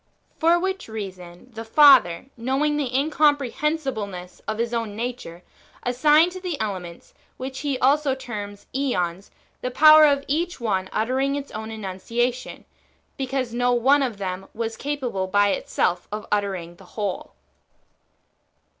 For which reason the Father, knowing the incomprehensibleness of His own nature, as signed to the elements, which He also terms ^ons, [the power] of each one uttering its own enunciation, because no one of them w^as capable by itself of uttering the whole.